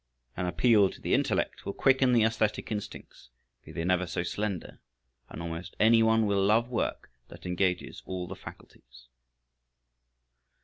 An appeal to the intellect will quicken the æsthetic instincts, be they never so slender, and almost any one will love work that engages all the faculties.